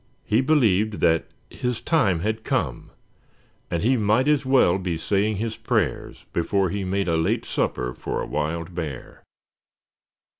He believed that his time had come, and he might as well be saying his prayers before he made a late supper for a wild bear.